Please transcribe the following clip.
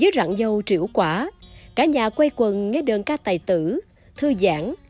với rạng dâu triệu quả cả nhà quay quần nghe đơn ca tài tử thư giãn